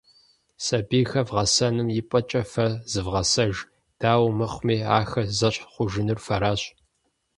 Сабийхэр вгъэсэным и пӏэкӏэ фэ зывгъэсэж, дауэ мыхъуми, ахэр зэщхь хъужынур фэращ.